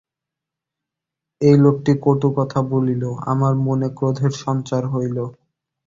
এই লোকটি কটু কথা বলিল, আমার মনে ক্রোধের সঞ্চার হইল।